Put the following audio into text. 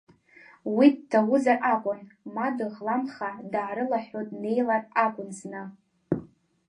Уи ддаузар акәын, ма, дыӷламха, даарылыҳәҳәо днеилар акәын зны…